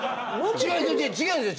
違う違う違うんですよ